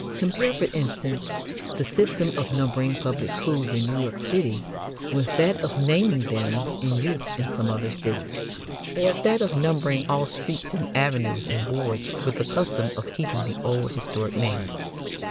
Compare, for instance, the system of numbering public schools in New York City with that of naming them in use in some other cities; or that of numbering all streets and avenues and wards with the custom of keeping the old historic names.